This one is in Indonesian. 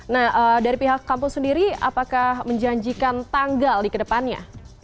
nah dari pihak kampus sendiri apakah menjanjikan tanggal di kedepannya